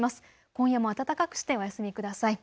今夜も暖かくしてお休みください。